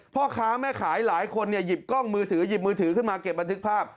พ่อค้าแม่ขายหลายคนหยิบกล้องมือถือหยิบมือถือขึ้นมาเก็บบันทึกภาพ